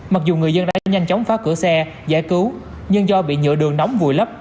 mặc dù người dân đã nhanh chóng phá cửa xe giải cứu nhưng do bị nhựa đường nóng vùi lấp